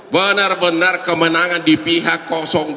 benar benar kemenangan di pihak dua